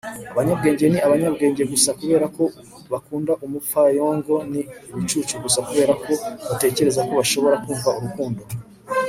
abanyabwenge ni abanyabwenge gusa kubera ko bakunda umupfayongo ni ibicucu gusa kubera ko batekereza ko bashobora kumva urukundo